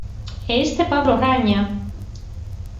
E este é Pablo Graña.